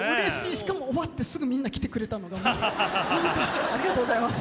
しかも終わってすぐみんな来てくれたのがもう何かありがとうございます。